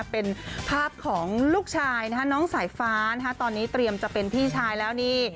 เป็นภาพของลูกชายน้องสายฟ้าตอนนี้เตรียมจะเป็นพี่ชายแล้วนี่